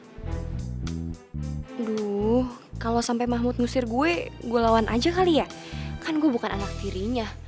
aduh kalau sampai mahmud nusir gue gue lawan aja kali ya kan gue bukan anak tirinya